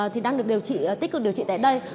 thì đang được điều trị tích cực điều trị tại đây